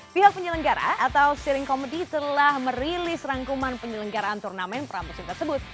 pihak penyelenggara atau siring komedi telah merilis rangkuman penyelenggaraan turnamen pramusim tersebut